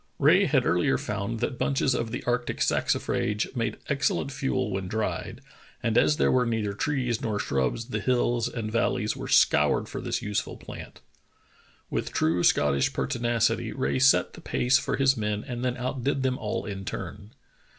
Rae had earlier found that bunches of the arctic saxifrage made excel lent fuel when dried, and as there were neither trees nor shrubs the hills and valleys vvere scoured for this useful plant. With true Scottish pertinacity , R.ae set the pace for his men and then outdid them all in turn.